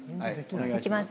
行きます。